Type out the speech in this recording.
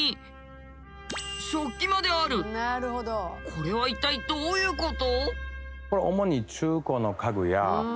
これは一体どういうこと？